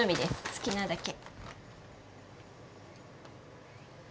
好きなだけ。